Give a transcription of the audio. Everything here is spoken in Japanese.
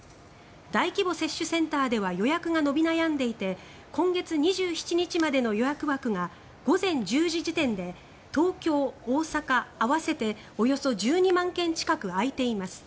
大規模接種センターでは予約が伸び悩んでいて今月２７日までの予約枠が午前１０時時点で東京・大阪合わせておよそ１２万件近く空いています。